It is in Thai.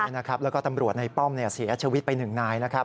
ใช่นะครับแล้วก็ตำรวจในป้อมเสียชีวิตไป๑นายนะครับ